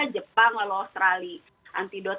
jepang lalu australia